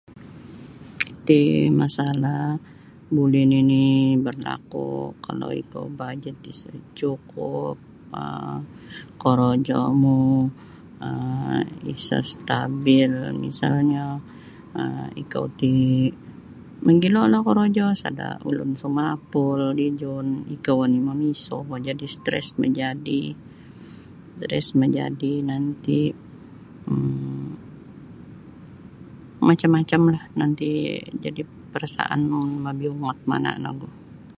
Iti masalah buli nini berlaku kalau ikau bajet isa cukup um korojo mu um isa stabil misalnyo um ikau ti mogilo lah korojo sada ulun sumapul daijun ikau ni' mamiso jadi stress majadi stress majadi nanti um macam-macamlah nanti jadi parasaanmu mabiungot mana nogu.